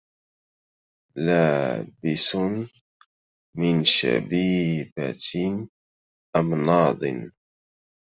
لابس من شبيبة أم ناض